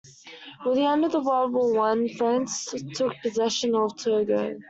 With the end of World War One, France took possession of Togo.